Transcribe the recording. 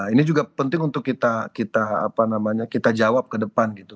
ini juga penting untuk kita jawab ke depan gitu